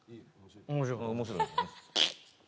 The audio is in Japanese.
面白い。